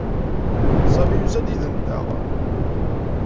Sami yusa-d yid-nteɣ.